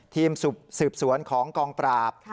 ทีมสืบสวนของกองปราบ